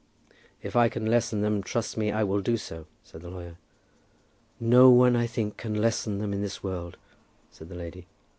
"If I can lessen them, trust me that I will do so," said the lawyer. "No one, I think, can lessen them in this world," said the lady.